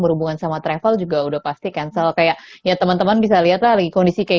berhubungan sama travel juga udah pasti cancel kayak ya teman teman bisa lihat lagi kondisi kayak